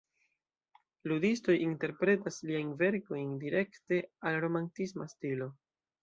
Ludistoj interpretas liajn verkojn direkte al "romantisma stilo".